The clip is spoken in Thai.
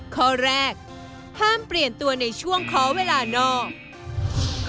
ข้อแรกห้ามเปลี่ยนตัวในช่วงขอเวลานอก